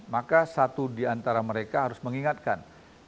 maka satu diantara mereka harus mengingatkan